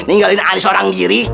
tinggal ini aneh seorang diri